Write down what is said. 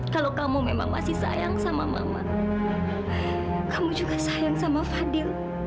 kalau kamu memang masih sayang sama mama kamu juga sayang sama fadil